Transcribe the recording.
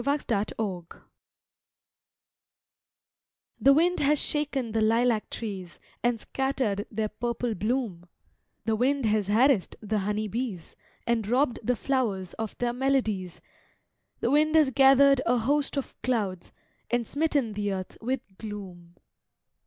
A WINDY JUNE The wind has shaken the lilac trees, And scattered their purple bloom, The wind has harassed the honey bees, And robbed the flowers of their melodies, The wind has gathered a host of clouds, And smitten the earth with gloom.